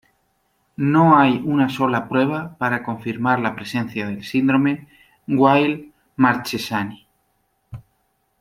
No hay una sola prueba para confirmar la presencia del Síndrome Weill-Marchesani.